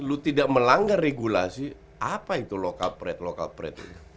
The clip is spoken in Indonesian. lu tidak melanggar regulasi apa itu local rate local pret